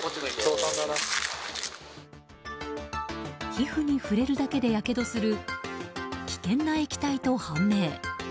皮膚に触れるだけでやけどする危険な液体と判明。